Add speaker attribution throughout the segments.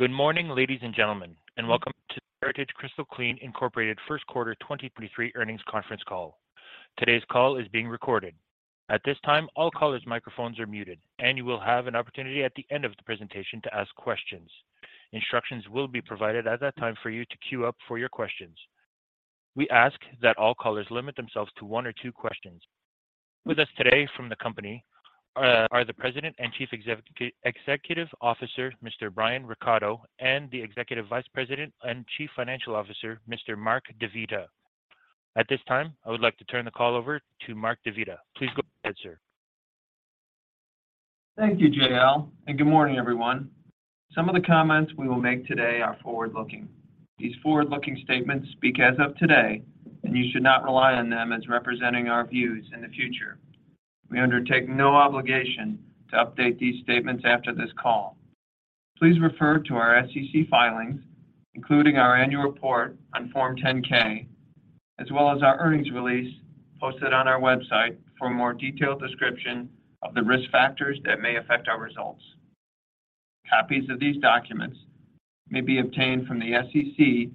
Speaker 1: Good morning, ladies and gentlemen, and welcome to the Heritage-Crystal Clean Incorporated First Quarter 2023 Earnings Conference Call. Today's call is being recorded. At this time, all callers' microphones are muted, and you will have an opportunity at the end of the presentation to ask questions. Instructions will be provided at that time for you to queue up for your questions. We ask that all callers limit themselves to one or two questions. With us today from the company are the President and Chief Executive Officer, Mr. Brian Recatto, and the Executive Vice President and Chief Financial Officer, Mr. Mark DeVita. At this time, I would like to turn the call over to Mark DeVita. Please go ahead, sir.
Speaker 2: Thank you, Gail Good morning, everyone. Some of the comments we will make today are forward-looking. These forward-looking statements speak as of today. You should not rely on them as representing our views in the future. We undertake no obligation to update these statements after this call. Please refer to our SEC filings, including our annual report on Form 10-K, as well as our earnings release posted on our website for a more detailed description of the risk factors that may affect our results. Copies of these documents may be obtained from the SEC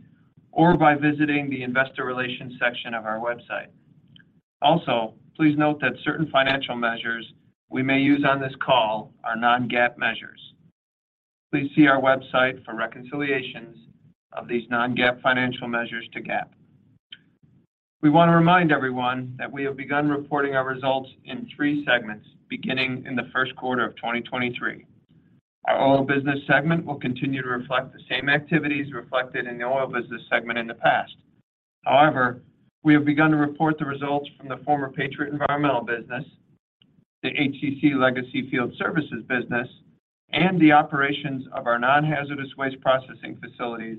Speaker 2: or by visiting the investor relations section of our website. Please note that certain financial measures we may use on this call are non-GAAP measures. Please see our website for reconciliations of these non-GAAP financial measures to GAAP. We want to remind everyone that we have begun reporting our results in three segments beginning in the first quarter of 2023. Our oil business segment will continue to reflect the same activities reflected in the oil business segment in the past. However, we have begun to report the results from the former Patriot Environmental business, the HCC Legacy Field Services business, and the operations of our non-hazardous waste processing facilities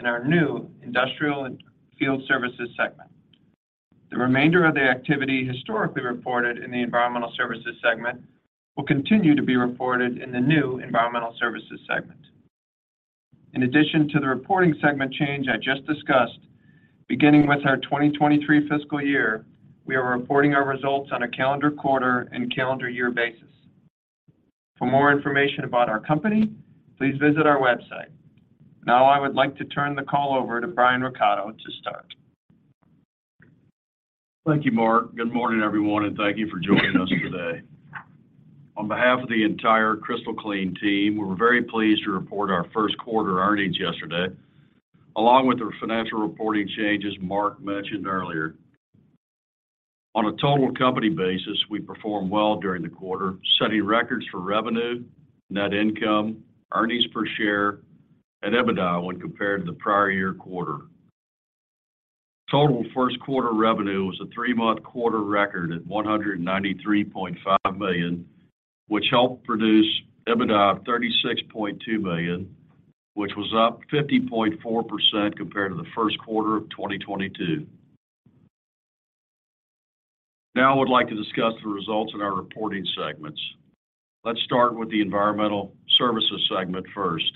Speaker 2: in our new industrial and field services segment. The remainder of the activity historically reported in the environmental services segment will continue to be reported in the new environmental services segment. In addition to the reporting segment change I just discussed, beginning with our 2023 fiscal year, we are reporting our results on a calendar quarter and calendar year basis. For more information about our company, please visit our website. Now, I would like to turn the call over to Brian Recatto to start.
Speaker 3: Thank you, Mark. Good morning, everyone. Thank you for joining us today. On behalf of the entire Crystal Clean team, we were very pleased to report our first quarter earnings yesterday, along with the financial reporting changes Mark mentioned earlier. On a total company basis, we performed well during the quarter, setting records for revenue, net income, earnings per share, and EBITDA when compared to the prior-year quarter. Total first quarter revenue was a three-month quarter record at $193.5 million, which helped produce EBITDA of $36.2 million, which was up 50.4% compared to the first quarter of 2022. I would like to discuss the results in our reporting segments. Let's start with the environmental services segment first.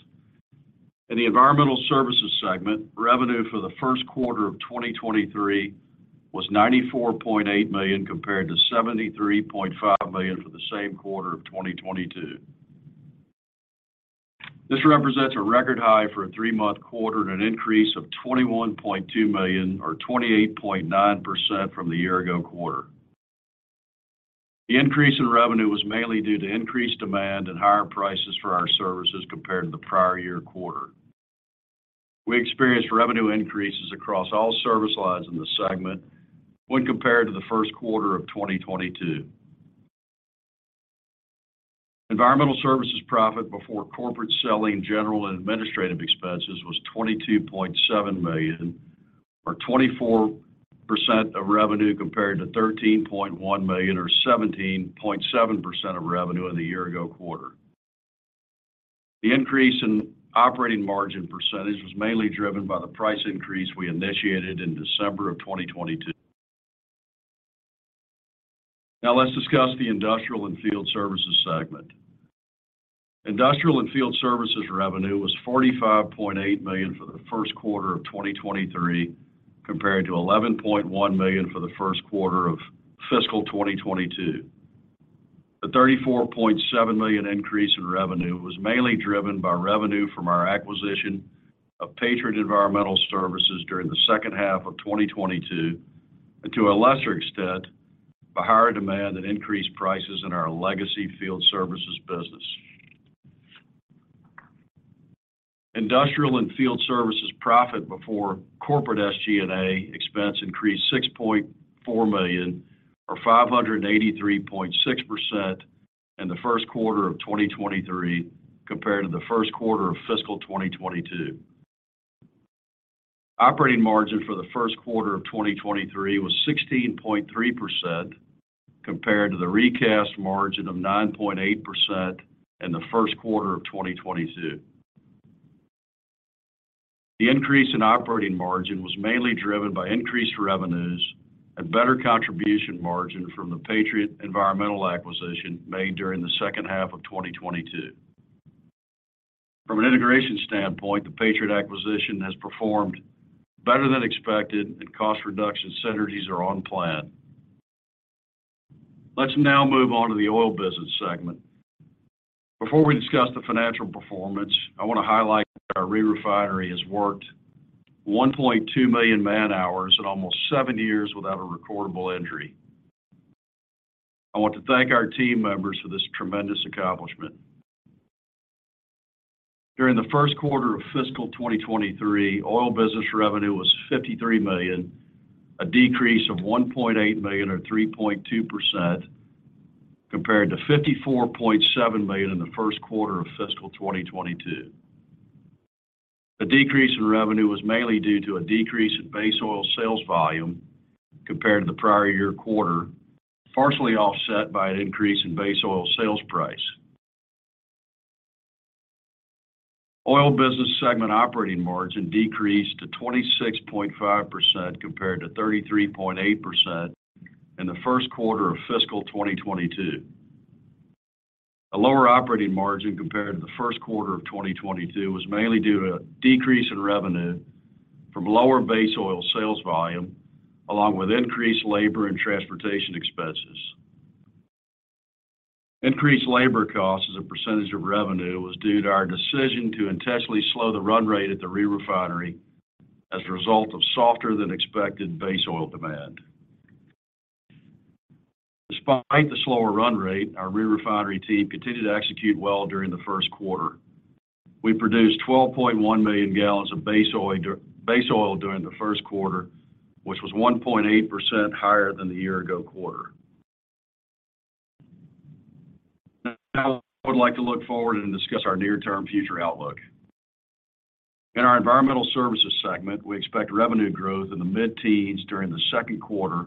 Speaker 3: In the Environmental Services segment, revenue for the first quarter of 2023 was $94.8 million compared to $73.5 million for the same quarter of 2022. This represents a record high for a three-month quarter and an increase of $21.2 million or 28.9% from the year ago quarter. The increase in revenue was mainly due to increased demand and higher prices for our services compared to the prior-year quarter. We experienced revenue increases across all service lines in the segment when compared to the first quarter of 2022. Environmental Services profit before corporate Selling, General, and Administrative Expenses was $22.7 million or 24% of revenue compared to $13.1 million or 17.7% of revenue in the year ago quarter. The increase in operating margin % was mainly driven by the price increase we initiated in December of 2022. Let's discuss the industrial and field services segment. Industrial and field services revenue was $45.8 million for the first quarter of 2023, compared to $11.1 million for the first quarter of fiscal 2022. The $34.7 million increase in revenue was mainly driven by revenue from our acquisition of Patriot Environmental Services during the second half of 2022, and to a lesser extent, by higher demand and increased prices in our legacy field services business. Industrial and field services profit before corporate SG&A expense increased $6.4 million or 583.6% in the first quarter of 2023 compared to the first quarter of fiscal 2022. Operating margin for the first quarter of 2023 was 16.3% compared to the recast margin of 9.8% in the first quarter of 2022. The increase in operating margin was mainly driven by increased revenues and better contribution margin from the Patriot Environmental acquisition made during the second half of 2022. From an integration standpoint, the Patriot acquisition has performed better than expected, and cost reduction synergies are on plan. Let's now move on to the oil business segment. Before we discuss the financial performance, I want to highlight that our re-refinery has worked 1.2 million man-hours in almost seven years without a recordable injury. I want to thank our team members for this tremendous accomplishment. During the first quarter of fiscal 2023, oil business revenue was $53 million, a decrease of $1.8 million or 3.2% compared to $54.7 million in the first quarter of fiscal 2022. The decrease in revenue was mainly due to a decrease in base oil sales volume compared to the prior-year quarter, partially offset by an increase in base oil sales price. Oil business segment operating margin decreased to 26.5% compared to 33.8% in the first quarter of fiscal 2022. A lower operating margin compared to the first quarter of 2022 was mainly due to a decrease in revenue from lower base oil sales volume along with increased labor and transportation expenses. Increased labor costs as a percentage of revenue was due to our decision to intentionally slow the run rate at the re-refinery as a result of softer than expected base oil demand. Despite the slower run rate, our re-refinery team continued to execute well during the first quarter. We produced 12.1 million gallons of base oil during the first quarter, which was 1.8% higher than the year ago quarter. Now I would like to look forward and discuss our near-term future outlook. In our environmental services segment, we expect revenue growth in the mid-teens during the second quarter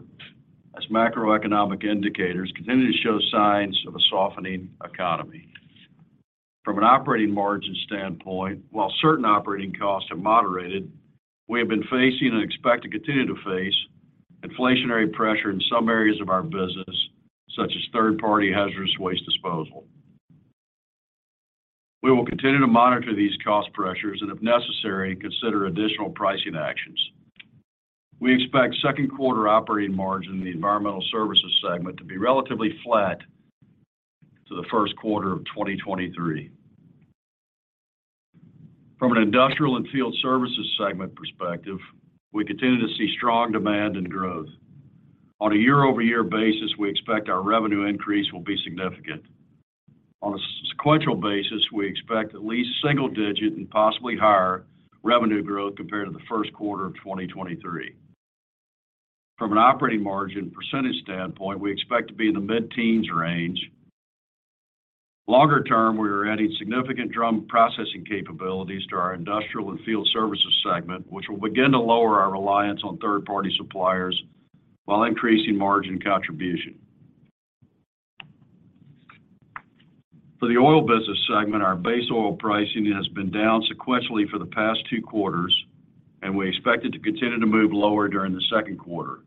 Speaker 3: as macroeconomic indicators continue to show signs of a softening economy. From an operating margin standpoint, while certain operating costs have moderated, we have been facing and expect to continue to face inflationary pressure in some areas of our business, such as third-party hazardous waste disposal. We will continue to monitor these cost pressures and if necessary, consider additional pricing actions. We expect second quarter operating margin in the environmental services segment to be relatively flat to the first quarter of 2023. From an industrial and field services segment perspective, we continue to see strong demand and growth. On a year-over-year basis, we expect our revenue increase will be significant. On a sequential basis, we expect at least single-digit and possibly higher revenue growth compared to the first quarter of 2023. From an operating margin percentage standpoint, we expect to be in the mid-teens range. Longer term, we are adding significant drum processing capabilities to our industrial and field services segment, which will begin to lower our reliance on third-party suppliers while increasing margin contribution. For the oil business segment, our base oil pricing has been down sequentially for the past two quarters, and we expect it to continue to move lower during the second quarter.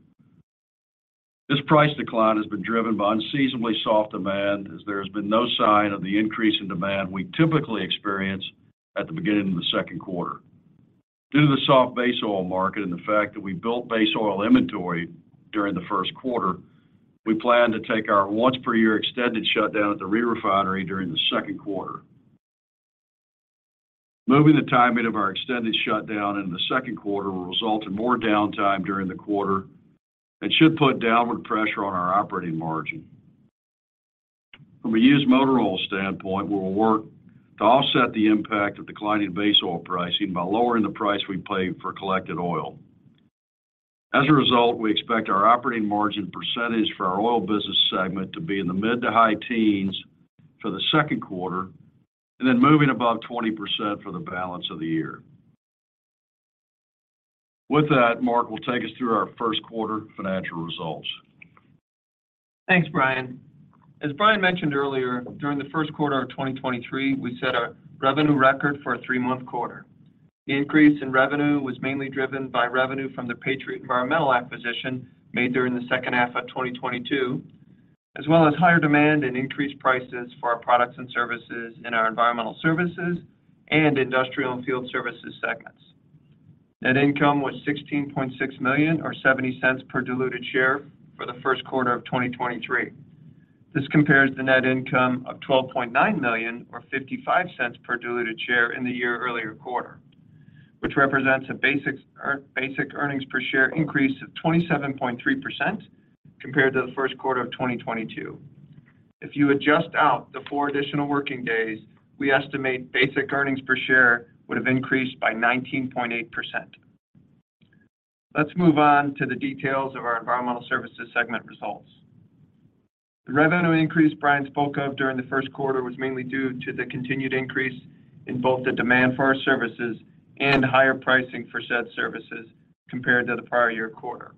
Speaker 3: This price decline has been driven by unseasonably soft demand as there has been no sign of the increase in demand we typically experience at the beginning of the second quarter. Due to the soft base oil market and the fact that we built base oil inventory during the first quarter, we plan to take our once per year extended shutdown at the re-refinery during the second quarter. Moving the timing of our extended shutdown into the second quarter will result in more downtime during the quarter and should put downward pressure on our operating margin. From a used motor oil standpoint, we will work to offset the impact of declining base oil pricing by lowering the price we pay for collected oil. As a result, we expect our operating margin percentage for our oil business segment to be in the mid to high teens for the second quarter, and then moving above 20% for the balance of the year. With that, Mark will take us through our first quarter financial results.
Speaker 2: Thanks, Brian. As Brian mentioned earlier, during the first quarter of 2023, we set a revenue record for a three-month quarter. The increase in revenue was mainly driven by revenue from the Patriot Environmental acquisition made during the second half of 2022, as well as higher demand and increased prices for our products and services in our environmental services and industrial and field services segments. Net income was $16.6 million or $0.70 per diluted share for the first quarter of 2023. This compares the net income of $12.9 million or $0.55 per diluted share in the year earlier quarter, which represents a basic earnings per share increase of 27.3% compared to the first quarter of 2022. If you adjust out the four additional working days, we estimate basic earnings per share would have increased by 19.8%. Let's move on to the details of our environmental services segment results. The revenue increase Brian spoke of during the first quarter was mainly due to the continued increase in both the demand for our services and higher pricing for said services compared to the prior-year quarter.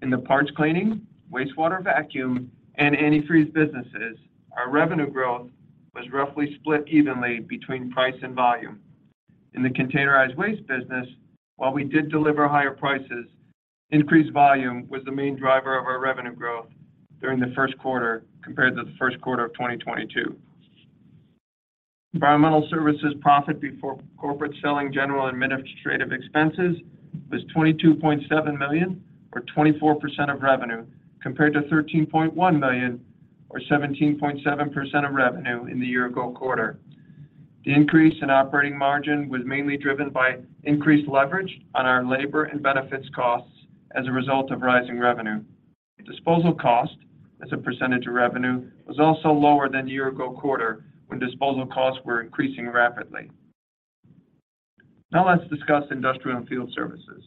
Speaker 2: In the parts cleaning, wastewater vacuum, and antifreeze businesses, our revenue growth was roughly split evenly between price and volume. In the containerized waste business, while we did deliver higher prices, increased volume was the main driver of our revenue growth during the first quarter compared to the first quarter of 2022. Environmental services profit before corporate selling, general and administrative expenses was $22.7 million or 24% of revenue compared to $13.1 million or 17.7% of revenue in the year-ago quarter. The increase in operating margin was mainly driven by increased leverage on our labor and benefits costs as a result of rising revenue. Disposal cost as a percentage of revenue was also lower than the year-ago quarter when disposal costs were increasing rapidly. Let's discuss industrial and field services.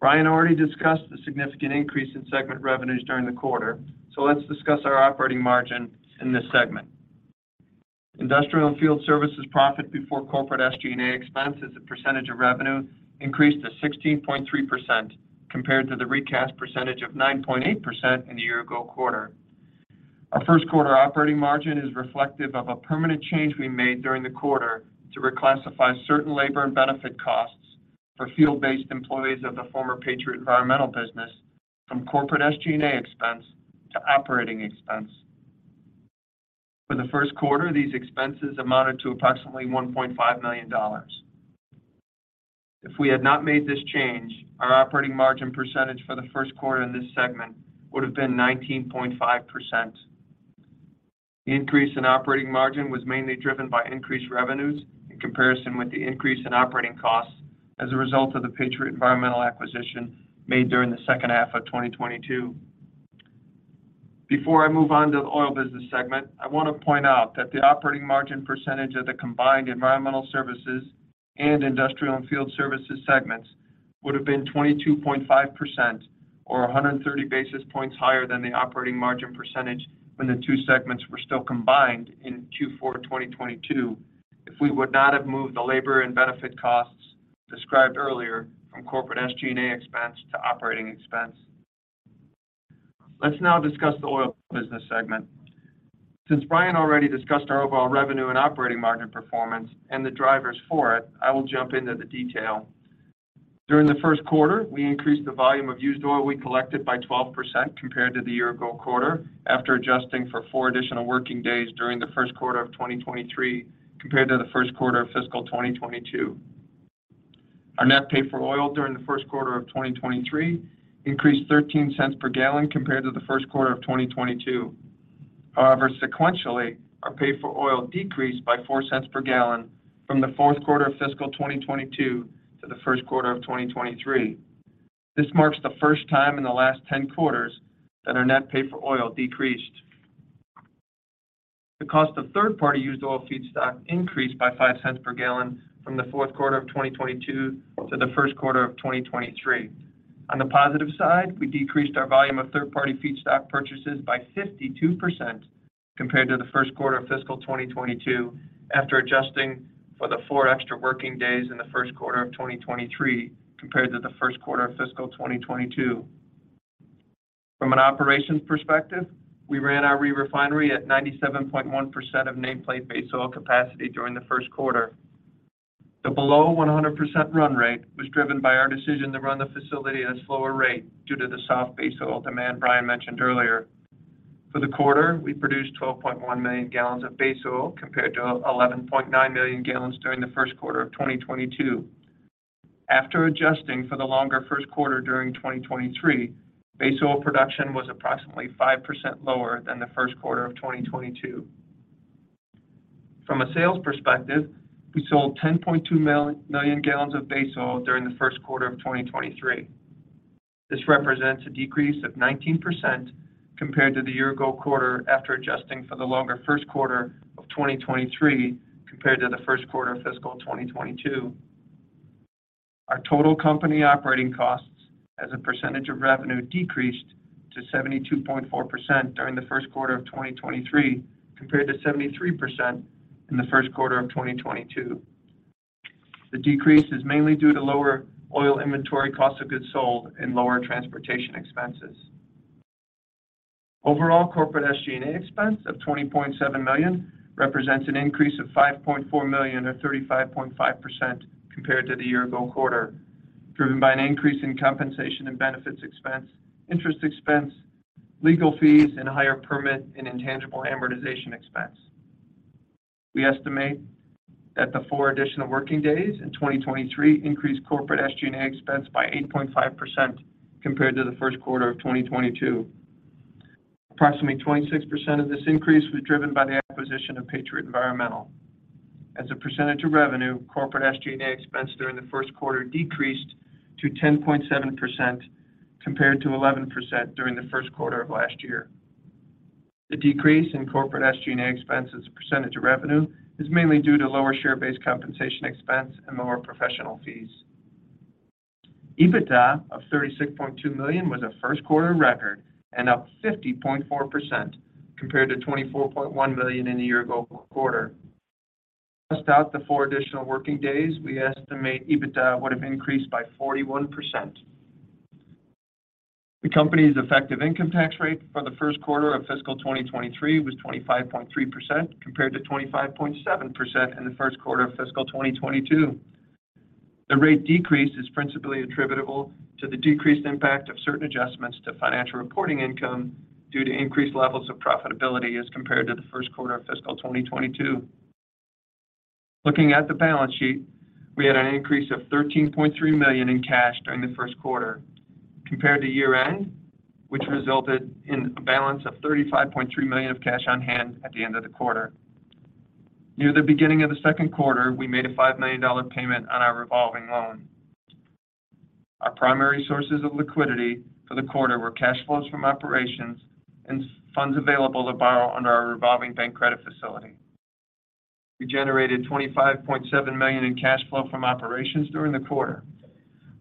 Speaker 2: Brian already discussed the significant increase in segment revenues during the quarter, let's discuss our operating margin in this segment. Industrial and field services profit before corporate SG&A expense as a percentage of revenue increased to 16.3% compared to the recast percentage of 9.8% in the year-ago quarter. Our first quarter operating margin is reflective of a permanent change we made during the quarter to reclassify certain labor and benefit costs for field-based employees of the former Patriot Environmental business from corporate SG&A expense to operating expense. These expenses amounted to approximately $1.5 million. If we had not made this change, our operating margin percentage for the first quarter in this segment would have been 19.5%. The increase in operating margin was mainly driven by increased revenues in comparison with the increase in operating costs as a result of the Patriot Environmental acquisition made during the second half of 2022. Before I move on to the oil business segment, I want to point out that the operating margin percentage of the combined environmental services and industrial and field services segments would have been 22.5% or 130 basis points higher than the operating margin percentage when the two segments were still combined in Q4 2022 if we would not have moved the labor and benefit costs described earlier from corporate SG&A expense to operating expense. Let's now discuss the oil business segment. Since Brian already discussed our overall revenue and operating margin performance and the drivers for it, I will jump into the detail. During the first quarter, we increased the volume of used oil we collected by 12% compared to the year ago quarter after adjusting for 4 additional working days during the first quarter of 2023 compared to the first quarter of fiscal 2022. Our net pay for oil during the first quarter of 2023 increased $0.13 per gallon compared to the first quarter of 2022. Sequentially, our pay for oil decreased by $0.04 per gallon from the fourth quarter of fiscal 2022 to the first quarter of 2023. This marks the first time in the last 10 quarters that our net pay for oil decreased. The cost of third-party used oil feedstock increased by $0.05 per gallon from the fourth quarter of 2022 to the first quarter of 2023. On the positive side, we decreased our volume of third-party feedstock purchases by 52% compared to the first quarter of fiscal 2022 after adjusting for the four extra working days in the first quarter of 2023 compared to the first quarter of fiscal 2022. From an operations perspective, we ran our re-refinery at 97.1% of nameplate base oil capacity during the first quarter. The below 100% run rate was driven by our decision to run the facility at a slower rate due to the soft base oil demand Brian mentioned earlier. For the quarter, we produced 12.1 million gallons of base oil compared to 11.9 million gallons during the first quarter of 2022. After adjusting for the longer first quarter during 2023, base oil production was approximately 5% lower than the first quarter of 2022. From a sales perspective, we sold 10.2 million gallons of base oil during the first quarter of 2023. This represents a decrease of 19% compared to the year ago quarter after adjusting for the longer first quarter of 2023 compared to the first quarter of fiscal 2022. Our total company operating costs as a percentage of revenue decreased to 72.4% during the first quarter of 2023 compared to 73% in the first quarter of 2022. The decrease is mainly due to lower oil inventory cost of goods sold and lower transportation expenses. Overall, corporate SG&A expense of $20.7 million represents an increase of $5.4 million or 35.5% compared to the year-ago quarter, driven by an increase in compensation and benefits expense, interest expense, legal fees, and a higher permit and intangible amortization expense. We estimate that the four additional working days in 2023 increased corporate SG&A expense by 8.5% compared to the first quarter of 2022. Approximately 26% of this increase was driven by the acquisition of Patriot Environmental. As a percentage of revenue, corporate SG&A expense during the first quarter decreased to 10.7% compared to 11% during the first quarter of last year. The decrease in corporate SG&A expense as a percentage of revenue is mainly due to lower share-based compensation expense and lower professional fees. EBITDA of $36.2 million was a first quarter record and up 50.4% compared to $24.1 million in the year ago quarter. Without the four additional working days, we estimate EBITDA would have increased by 41%. The company's effective income tax rate for the first quarter of fiscal 2023 was 25.3% compared to 25.7% in the first quarter of fiscal 2022. The rate decrease is principally attributable to the decreased impact of certain adjustments to financial reporting income due to increased levels of profitability as compared to the first quarter of fiscal 2022. Looking at the balance sheet, we had an increase of $13.3 million in cash during the first quarter compared to year-end, which resulted in a balance of $35.3 million of cash on hand at the end of the quarter. Near the beginning of the second quarter, we made a $5 million payment on our revolving loan. Our primary sources of liquidity for the quarter were cash flows from operations and funds available to borrow under our revolving bank credit facility. We generated $25.7 million in cash flow from operations during the quarter.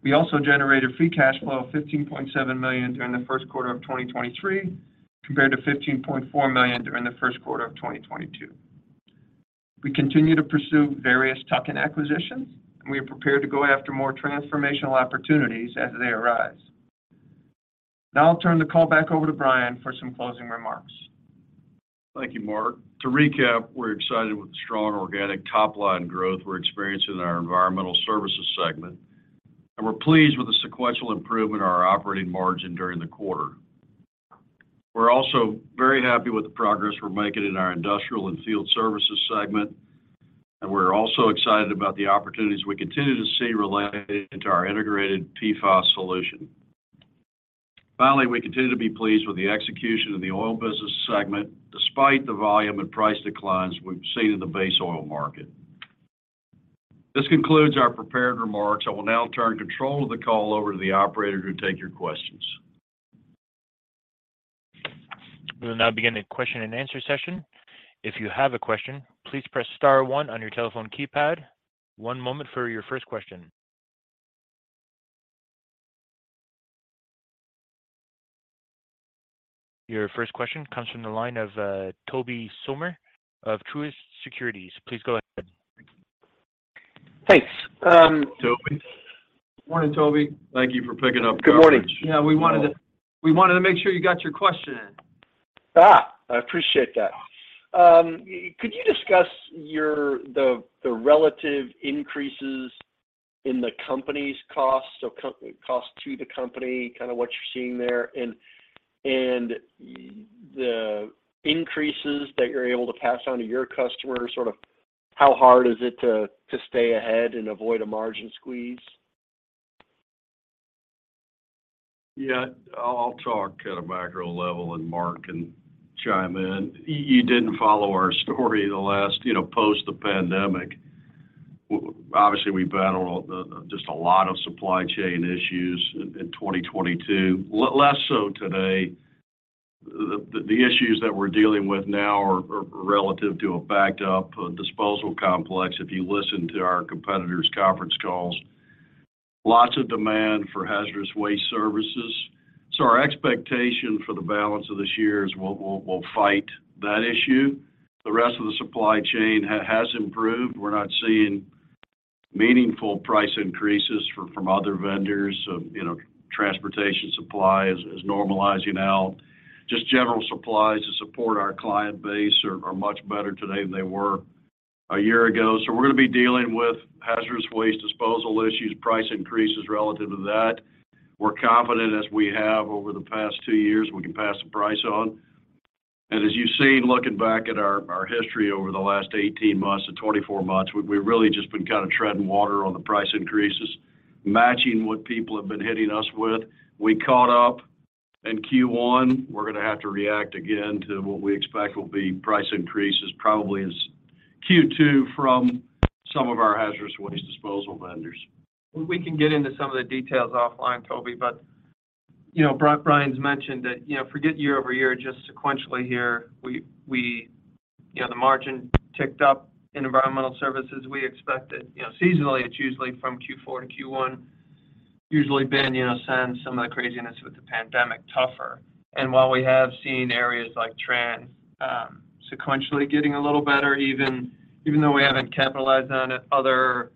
Speaker 2: We also generated free cash flow of $15.7 million during the first quarter of 2023, compared to $15.4 million during the first quarter of 2022. We continue to pursue various tuck-in acquisitions, and we are prepared to go after more transformational opportunities as they arise. Now I'll turn the call back over to Brian for some closing remarks.
Speaker 3: Thank you, Mark. To recap, we're excited with the strong organic top-line growth we're experiencing in our environmental services segment, we're pleased with the sequential improvement in our operating margin during the quarter. We're also very happy with the progress we're making in our industrial and field services segment, we're also excited about the opportunities we continue to see related to our integrated PFAS solution. We continue to be pleased with the execution of the oil business segment despite the volume and price declines we've seen in the base oil market. This concludes our prepared remarks. I will now turn control of the call over to the operator to take your questions.
Speaker 1: We will now begin the question-and-answer session. If you have a question, please press star one on your telephone keypad. One moment for your first question. Your first question comes from the line of Tobey Sommer of Truist Securities. Please go ahead.
Speaker 4: Thanks.
Speaker 3: Tobey.
Speaker 2: Morning, Tobey.
Speaker 3: Thank you for picking up coverage.
Speaker 2: Good morning. Yeah, we wanted to make sure you got your question in.
Speaker 4: I appreciate that. could you discuss your... the relative increases in the company's costs or cost to the company, kind of what you're seeing there, and the increases that you're able to pass on to your customers, sort of how hard is it to stay ahead and avoid a margin squeeze?
Speaker 3: Yeah. I'll talk at a macro level, and Mark can chime in. You didn't follow our story the last, you know, post the pandemic. obviously we battled a lot of supply chain issues in 2022. Less so today. The issues that we're dealing with now are relative to a backed up disposal complex. If you listen to our competitors' conference calls, lots of demand for hazardous waste services. Our expectation for the balance of this year is we'll fight that issue. The rest of the supply chain has improved. We're not seeing meaningful price increases from other vendors. You know, transportation supply is normalizing out. Just general supplies to support our client base are much better today than they were a year ago. We're gonna be dealing with hazardous waste disposal issues, price increases relative to that. We're confident as we have over the past two years, we can pass the price on. As you've seen, looking back at our history over the last 18 months-24 months, we've really just been kind of treading water on the price increases, matching what people have been hitting us with. We caught up in Q1. We're gonna have to react again to what we expect will be price increases probably as Q2 from some of our hazardous waste disposal vendors.
Speaker 2: We can get into some of the details offline, Tobey, you know, Brian's mentioned that, you know, forget year-over-year, just sequentially here, we, you know, the margin ticked up in environmental services. We expect it. You know, seasonally, it's usually from Q4 to Q1, usually been, you know, sans some of the craziness with the pandemic, tougher. While we have seen areas like trans, sequentially getting a little better, even though we haven't capitalized on it, other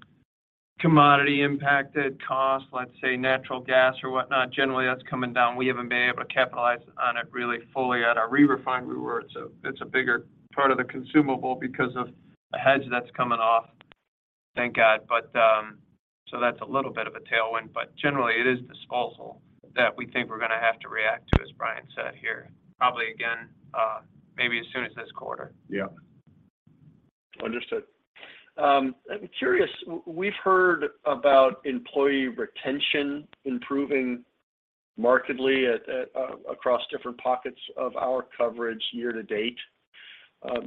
Speaker 2: commodity impacted costs, let's say natural gas or whatnot, generally that's coming down. We haven't been able to capitalize on it really fully. At our re-refinery where it's a, it's a bigger part of the consumable because of a hedge that's coming off, thank God. That's a little bit of a tailwind, but generally it is disposal that we think we're gonna have to react to, as Brian said here, probably again, maybe as soon as this quarter.
Speaker 3: Yeah.
Speaker 4: Understood. I'm curious. We've heard about employee retention improving markedly at across different pockets of our coverage year-to-date.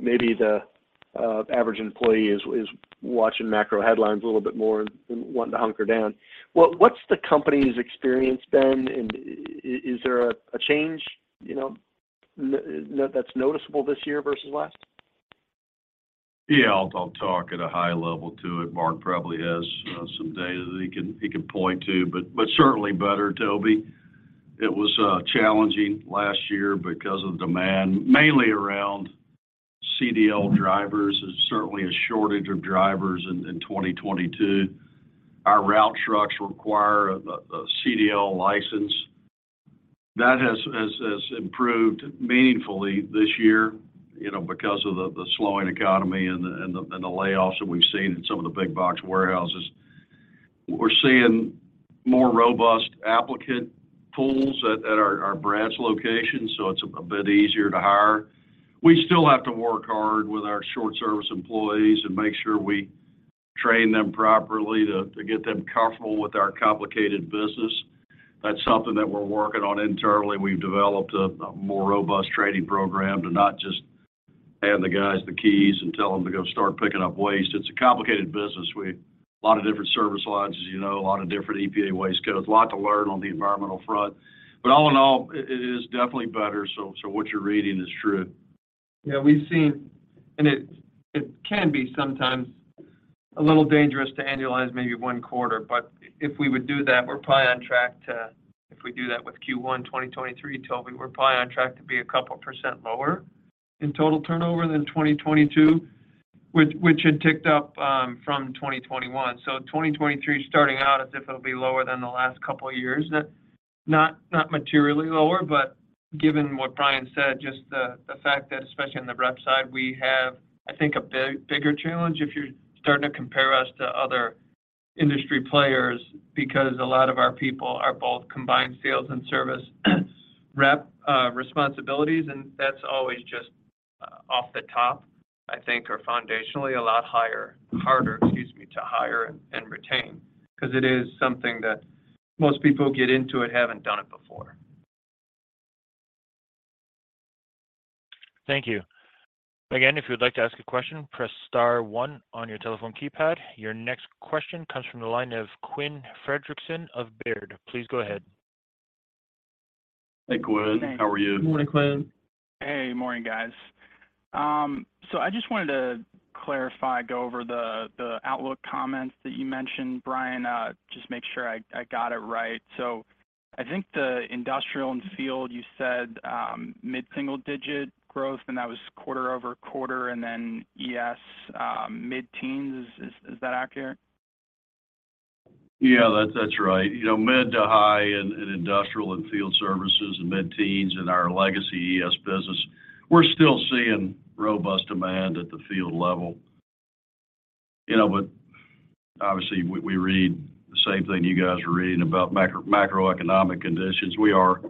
Speaker 4: Maybe the average employee is watching macro headlines a little bit more and wanting to hunker down. What's the company's experience been? Is there a change, you know, that's noticeable this year versus last?
Speaker 3: Yeah. I'll talk at a high level to it. Mark probably has some data that he can point to, but certainly better, Tobey. It was challenging last year because of demand, mainly around CDL drivers. There's certainly a shortage of drivers in 2022. Our route trucks require a CDL license. That has improved meaningfully this year, you know, because of the slowing economy and the layoffs that we've seen in some of the big box warehouses. We're seeing more robust applicant pools at our branch locations, so it's a bit easier to hire. We still have to work hard with our short service employees and make sure we train them properly to get them comfortable with our complicated business. That's something that we're working on internally. We've developed a more robust training program to not just hand the guys the keys and tell them to go start picking up waste. It's a complicated business. Lot of different service lines, as you know, a lot of different EPA waste codes. A lot to learn on the environmental front. All in all, it is definitely better, so what you're reading is true.
Speaker 2: Yeah, we've seen. It, it can be sometimes a little dangerous to annualize maybe one quarter. If we would do that, we're probably on track to, if we do that with Q1 2023, Tobey, we're probably on track to be a couple % lower in total turnover than 2022, which had ticked up from 2021. 2023 is starting out as if it'll be lower than the last couple of years. Not materially lower, but given what Brian said, just the fact that, especially on the rep side, we have, I think, a bigger challenge if you're starting to compare us to other industry players, because a lot of our people are both combined sales and service rep responsibilities, and that's always just off the top, I think are foundationally a lot higher, harder, excuse me, to hire and retain. It is something that most people who get into it haven't done it before.
Speaker 1: Thank you. Again, if you would like to ask a question, press star one on your telephone keypad. Your next question comes from the line of Quinn Frederickson of Baird. Please go ahead.
Speaker 3: Hey, Quinn. How are you?
Speaker 2: Morning, Quinn.
Speaker 5: Hey. Morning, guys. I just wanted to clarify, go over the outlook comments that you mentioned, Brian, just make sure I got it right. I think the industrial and field, you said, mid-single digit growth, and that was quarter-over-quarter, and then ES, mid-teens. Is that accurate?
Speaker 3: Yeah, that's right. You know, mid to high in industrial and field services and mid-teens in our legacy ES business. We're still seeing robust demand at the field level. Obviously we read the same thing you guys are reading about macroeconomic conditions. We are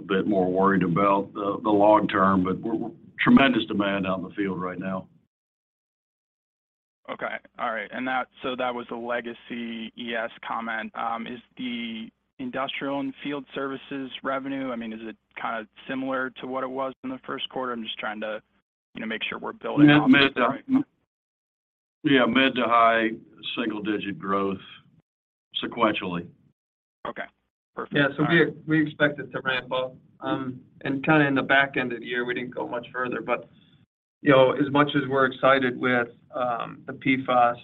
Speaker 3: a bit more worried about the long term, we're tremendous demand out in the field right now.
Speaker 5: Okay. All right. That was the legacy ES comment. Is the industrial and field services revenue, I mean, is it kind of similar to what it was in the first quarter? I'm just trying to, you know, make sure we're building on this correctly.
Speaker 3: Yeah, mid to high single-digit growth sequentially.
Speaker 5: Okay. Perfect. All right.
Speaker 2: We, we expect it to ramp up. And kind of in the back end of the year, we didn't go much further. You know, as much as we're excited with, the PFAS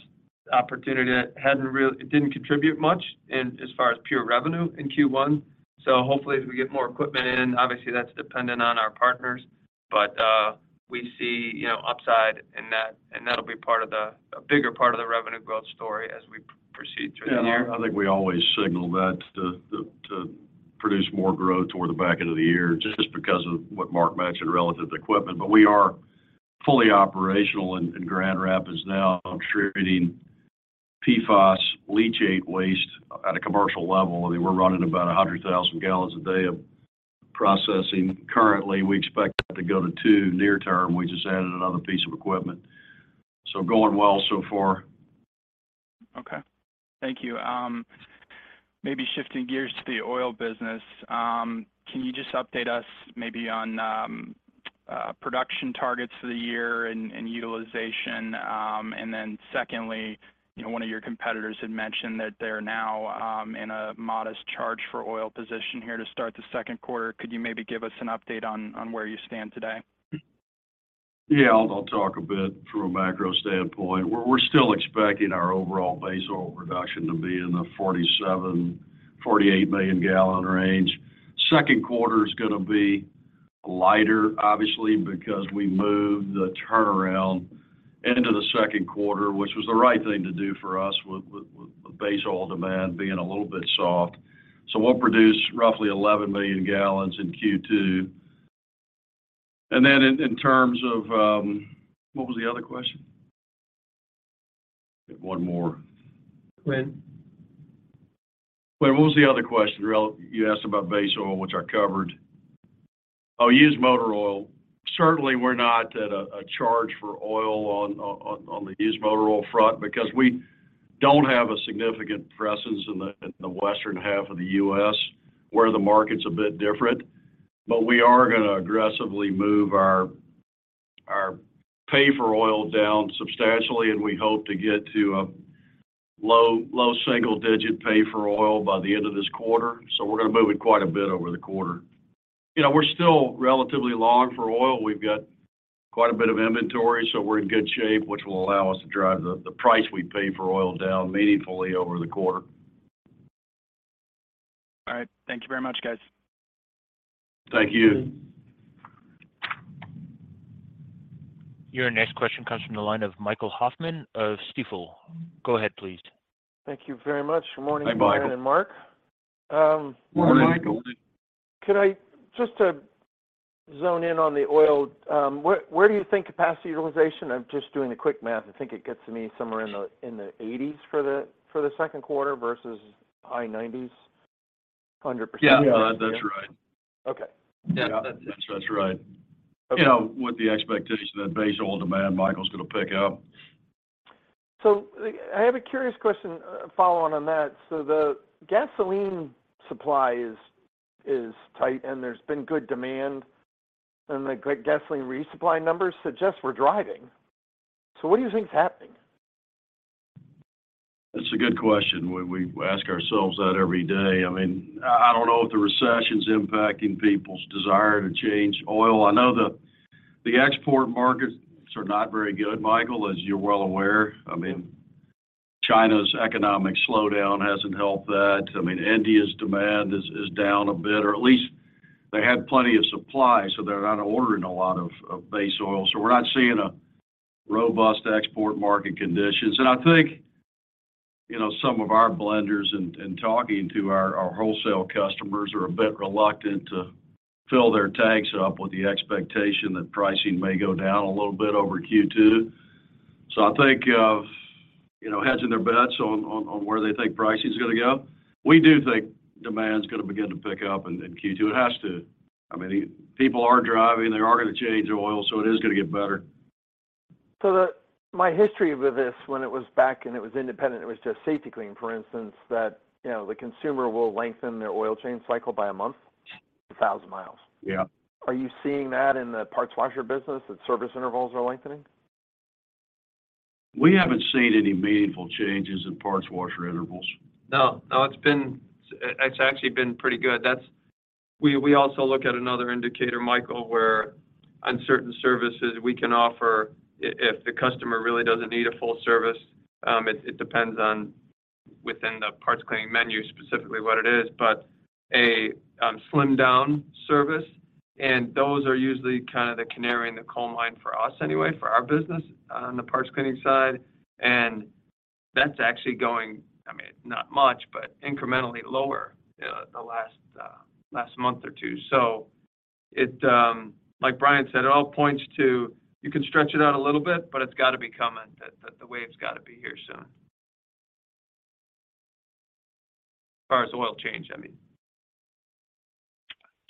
Speaker 2: opportunity, it didn't contribute much in as far as pure revenue in Q1. Hopefully, as we get more equipment in, obviously that's dependent on our partners. We see, you know, upside in that, and that'll be part of the, a bigger part of the revenue growth story as we proceed through the year.
Speaker 3: Yeah. I think we always signal that to produce more growth toward the back end of the year, just because of what Mark DeVita mentioned, relative equipment. We are fully operational in Grand Rapids now, treating PFAS leachate waste at a commercial level. I mean, we're running about 100,000 gallons a day of processing currently. We expect that to go to two near term. We just added another piece of equipment. Going well so far.
Speaker 5: Okay. Thank you. maybe shifting gears to the oil business. can you just update us maybe on production targets for the year and utilization? Secondly, you know, one of your competitors had mentioned that they're now in a modest charge for oil position here to start the second quarter. Could you maybe give us an update on where you stand today?
Speaker 3: Yeah. I'll talk a bit from a macro standpoint. We're still expecting our overall base oil production to be in the 47 million-48 million gallon range. Second quarter is gonna be lighter, obviously, because we moved the turnaround into the second quarter, which was the right thing to do for us with the base oil demand being a little bit soft. We'll produce roughly 11 million gallons in Q2. Then in terms of, What was the other question? One more.
Speaker 2: Quinn.
Speaker 3: Quinn, what was the other question you asked about base oil, which I covered. Oh, used motor oil. Certainly, we're not at a charge for oil on the used motor oil front because we don't have a significant presence in the western half of the U.S., where the market's a bit different. We are gonna aggressively move our pay for oil down substantially, and we hope to get to a low single digit pay for oil by the end of this quarter. We're gonna move it quite a bit over the quarter. You know, we're still relatively long for oil. We've got quite a bit of inventory, so we're in good shape, which will allow us to drive the price we pay for oil down meaningfully over the quarter.
Speaker 5: All right. Thank you very much, guys.
Speaker 3: Thank you.
Speaker 1: Your next question comes from the line of Michael Hoffman of Stifel. Go ahead please.
Speaker 6: Thank you very much. Good morning, Brian and Mark.
Speaker 3: Hi, Michael.
Speaker 2: Good morning.
Speaker 6: could I just zone in on the oil, where do you think capacity utilization? I'm just doing the quick math. I think it gets me somewhere in the eighties for the second quarter versus high nineties, 100%.
Speaker 3: Yeah. That's right.
Speaker 6: Okay.
Speaker 3: Yeah. That's right.
Speaker 6: Okay.
Speaker 3: You know, with the expectation that base oil demand, Michael, is gonna pick up.
Speaker 6: I have a curious question, follow on that. The gasoline supply is tight and there's been good demand, and the gasoline resupply numbers suggest we're driving. What do you think is happening?
Speaker 3: That's a good question. We ask ourselves that every day. I mean, I don't know if the recession's impacting people's desire to change oil. I know the export markets are not very good, Michael, as you're well aware. I mean, China's economic slowdown hasn't helped that. I mean, India's demand is down a bit, or at least they had plenty of supply, so they're not ordering a lot of base oil. We're not seeing a robust export market conditions. I think, you know, some of our blenders and talking to our wholesale customers are a bit reluctant to fill their tanks up with the expectation that pricing may go down a little bit over Q2. I think, you know, hedging their bets on where they think pricing's gonna go. We do think demand's gonna begin to pick up in Q2. It has to. I mean, people are driving, they are gonna change oil, it is gonna get better.
Speaker 6: My history with this when it was back and it was independent, it was just Safety-Kleen for instance, that, you know, the consumer will lengthen their oil change cycle by a month, 1,000 miles.
Speaker 3: Yeah.
Speaker 6: Are you seeing that in the parts washer business, that service intervals are lengthening?
Speaker 3: We haven't seen any meaningful changes in parts washer intervals.
Speaker 2: No. It's actually been pretty good. That's We also look at another indicator, Michael, where uncertain services we can offer if the customer really doesn't need a full service, it depends on within the parts cleaning menu, specifically what it is, but a slimmed down service. Those are usually kind of the canary in the coal mine for us anyway, for our business on the parts cleaning side. That's actually going, I mean, not much, but incrementally lower, the last month or two. It, like Brian said, it all points to you can stretch it out a little bit, but it's gotta be coming. That the wave's gotta be here soon. As far as oil change, I mean.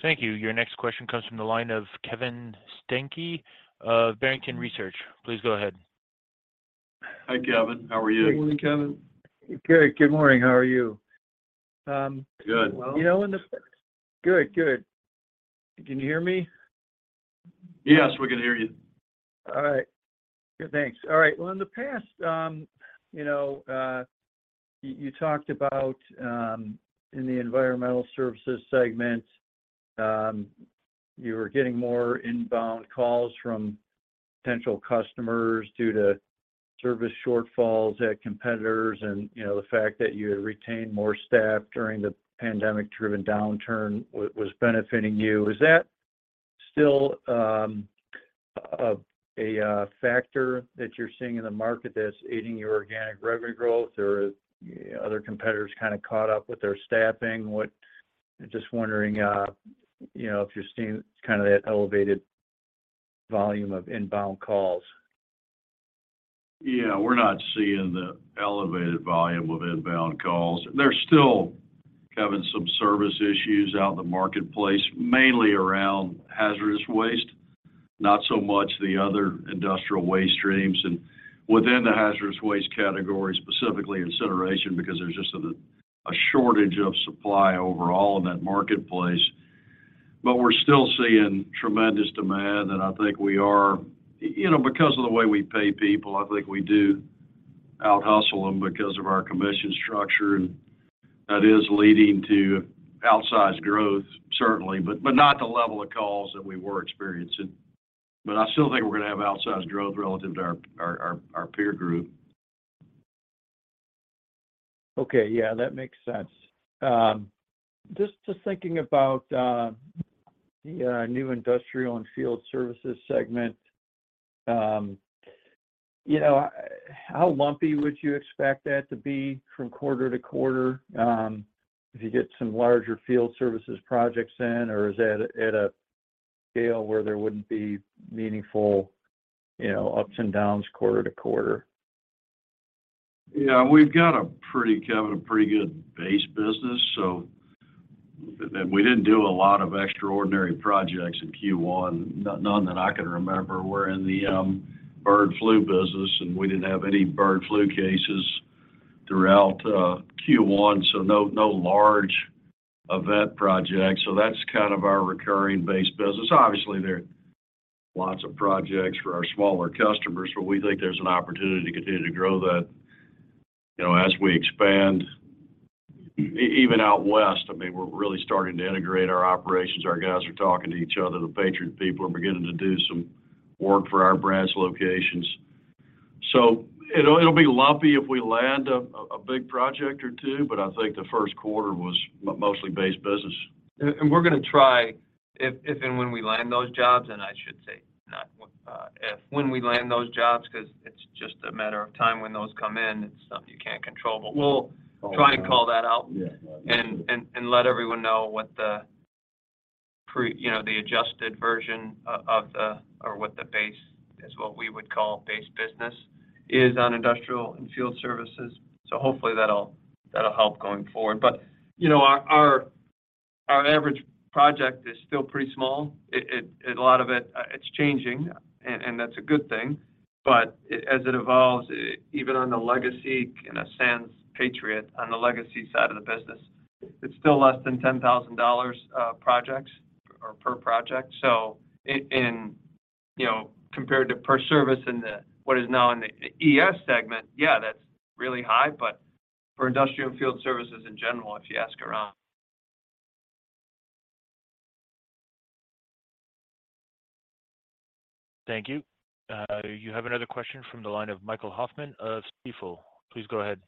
Speaker 1: Thank you. Your next question comes from the line of Kevin Steinke of Barrington Research. Please go ahead.
Speaker 3: Hi, Kevin. How are you?
Speaker 2: Good morning, Kevin.
Speaker 7: Good morning. How are you?
Speaker 3: Good.
Speaker 7: You know, in the... Good. Can you hear me?
Speaker 3: Yes, we can hear you.
Speaker 7: All right. Good, thanks. All right. In the past, you know, you talked about, in the environmental services segment, you were getting more inbound calls from potential customers due to service shortfalls at competitors and, you know, the fact that you had retained more staff during the pandemic-driven downturn was benefiting you. Is that still a factor that you're seeing in the market that's aiding your organic revenue growth, or other competitors kinda caught up with their staffing? Just wondering, you know, if you're seeing kinda that elevated volume of inbound calls.
Speaker 3: Yeah, we're not seeing the elevated volume of inbound calls. There's still, Kevin, some service issues out in the marketplace, mainly around hazardous waste, not so much the other industrial waste streams and within the hazardous waste category, specifically incineration, because there's just a shortage of supply overall in that marketplace. We're still seeing tremendous demand, and I think we are. You know, because of the way we pay people, I think we do outhustle them because of our commission structure, and that is leading to outsized growth certainly, but not the level of calls that we were experiencing. I still think we're gonna have outsized growth relative to our peer group.
Speaker 7: Okay. Yeah, that makes sense. Just thinking about the new industrial and field services segment, you know, how lumpy would you expect that to be from quarter to quarter, if you get some larger field services projects in, or is that at a scale where there wouldn't be meaningful, you know, ups and downs quarter to quarter?
Speaker 3: We've got a pretty good base business. We didn't do a lot of extraordinary projects in Q1. None that I can remember were in the bird flu business, and we didn't have any bird flu cases throughout Q1, so no large event projects. That's kind of our recurring base business. Obviously, there are lots of projects for our smaller customers, but we think there's an opportunity to continue to grow that, you know, as we expand even out west. I mean, we're really starting to integrate our operations. Our guys are talking to each other, the Patriot people, and we're getting to do some work for our brands locations. It'll be lumpy if we land a big project or two, but I think the first quarter was mostly base business.
Speaker 2: We're gonna try if and when we land those jobs, and I should say if, when we land those jobs, 'cause it's just a matter of time when those come in. It's something you can't control. We'll try to call that out...
Speaker 3: Yeah.
Speaker 2: and let everyone know what the, you know, the adjusted version of the, or what the base, as what we would call base business, is on industrial and field services. Hopefully that'll help going forward. You know, our average project is still pretty small. A lot of it's changing and that's a good thing. As it evolves, even on the legacy in a sense, Patriot on the legacy side of the business, it's still less than $10,000 projects or per project. In, you know, compared to per service in the what is now in the ES segment, yeah, that's really high. For industrial and field services in general, if you ask around.
Speaker 1: Thank you. You have another question from the line of Michael Hoffman of Stifel. Please go ahead.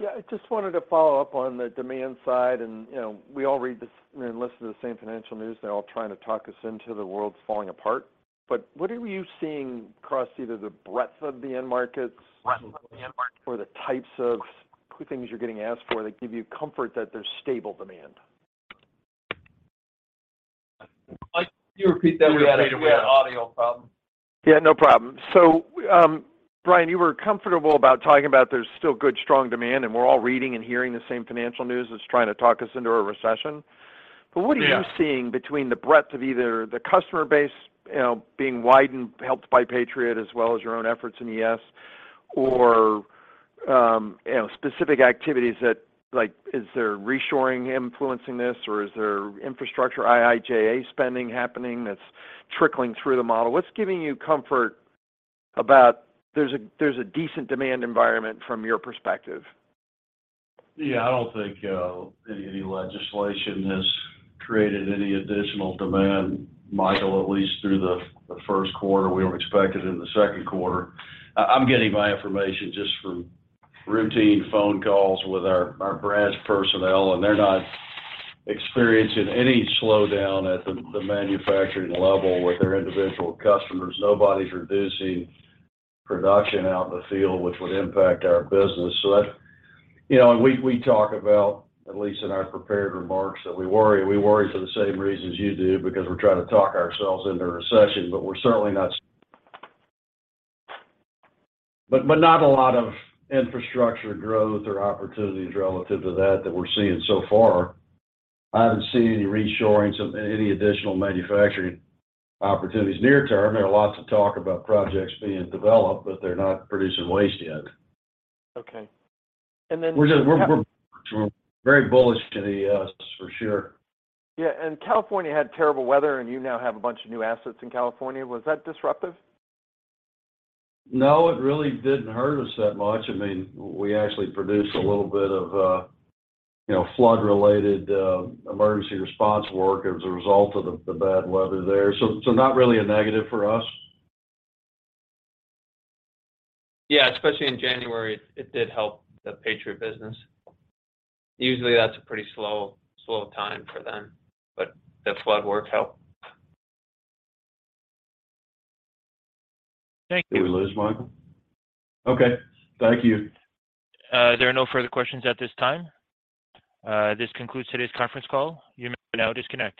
Speaker 6: Yeah. I just wanted to follow up on the demand side and, you know, we all read the and listen to the same financial news. They're all trying to talk us into the world's falling apart. What are you seeing across either the breadth of the end markets?
Speaker 2: Breadth of the end markets.
Speaker 6: -or the types of things you're getting asked for that give you comfort that there's stable demand?
Speaker 3: Mike, can you repeat that? We had an audio problem.
Speaker 6: No problem. Brian, you were comfortable about talking about there's still good, strong demand, and we're all reading and hearing the same financial news that's trying to talk us into a recession.
Speaker 3: Yeah.
Speaker 6: What are you seeing between the breadth of either the customer base, you know, being widened, helped by Patriot as well as your own efforts in ES or, you know, specific activities that like is there reshoring influencing this or is there infrastructure IIJA spending happening that's trickling through the model? What's giving you comfort about there's a decent demand environment from your perspective?
Speaker 3: Yeah. I don't think any legislation has created any additional demand, Michael, at least through the first quarter. We don't expect it in the second quarter. I'm getting my information just from routine phone calls with our branch personnel, and they're not experiencing any slowdown at the manufacturing level with their individual customers. Nobody's reducing production out in the field, which would impact our business. You know, we talk about, at least in our prepared remarks, that we worry. We worry for the same reasons you do because we're trying to talk ourselves into a recession, but we're certainly not. Not a lot of infrastructure growth or opportunities relative to that we're seeing so far. I haven't seen any reshoring. Any additional manufacturing opportunities near term. There are lots of talk about projects being developed, but they're not producing waste yet.
Speaker 6: Okay.
Speaker 3: We're just, we're very bullish to the U.S. for sure.
Speaker 6: Yeah. California had terrible weather and you now have a bunch of new assets in California. Was that disruptive?
Speaker 3: No, it really didn't hurt us that much. I mean, we actually produced a little bit of, you know, flood-related, emergency response work as a result of the bad weather there. Not really a negative for us.
Speaker 2: Yeah, especially in January, it did help the Patriot business. Usually that's a pretty slow time for them. The flood work helped.
Speaker 6: Thank you.
Speaker 3: Did we lose Michael? Okay. Thank you.
Speaker 1: There are no further questions at this time. This concludes today's conference call. You may now disconnect.